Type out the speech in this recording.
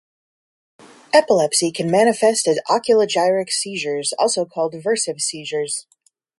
Epilepsy can manifest as oculogyric seizures, also called versive seizures.